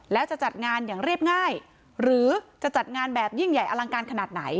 แล้วจะจัดงานอย่างเรียบง่ายหรือจะจัดงานแบบยิ่งใหญ่อลังการขนาดไหน